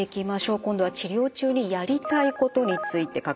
今度は治療中にやりたいことについて書かれています。